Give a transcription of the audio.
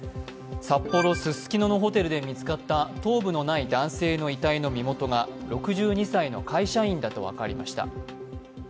札幌・ススキノのホテルで見つかった頭部のない男性の遺体の身元が６２歳の会社員だと分かりました。